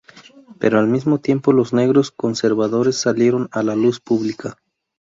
Pero al mismo tiempo los negros conservadores salieron a la luz pública.